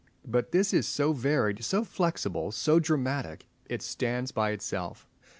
But this is so varied, so flexible, so dramatic. It stands by itself.